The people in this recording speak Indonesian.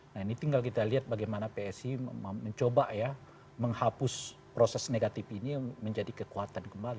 nah ini tinggal kita lihat bagaimana psi mencoba ya menghapus proses negatif ini menjadi kekuatan kembali